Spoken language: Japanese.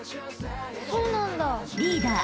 ［リーダー］